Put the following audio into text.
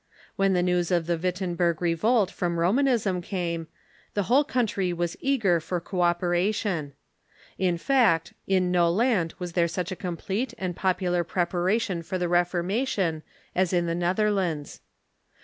When the news of the Wittenberg revolt from Romanism came, the whole country was eager for co opera IN THE NETHERLANDS 259 tion. In fact, in no land Avas tliere such a complete and pop ular preparation for the Reformation as in the Xetherlands.